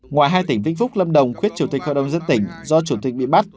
ngoài hai tỉnh vĩnh phúc lâm đồng quyết chủ tịch hội đồng dân tỉnh do chủ tịch bị bắt